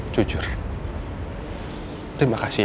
kok rindu menikah juga